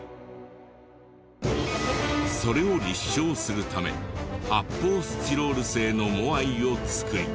それを立証するため発泡スチロール製のモアイを作り。